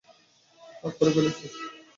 হ্যাঁ, করে ফেলেছে।